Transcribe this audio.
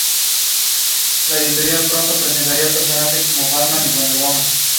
Las corporaciones pueden incluso ser condenadas por ofensas criminales como fraude o maltrato.